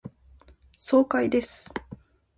爽快です。